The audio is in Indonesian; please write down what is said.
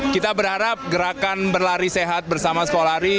kita berharap gerakan berlari sehat bersama sekolari